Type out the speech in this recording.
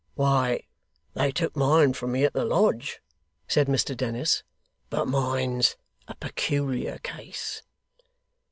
'Why, they took mine from me at the lodge,' said Mr Dennis; 'but mine's a peculiar case.